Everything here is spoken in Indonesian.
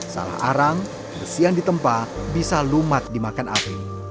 salah arang besi yang ditempa bisa lumak dimakan api